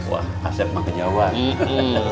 wah aset banget ya wah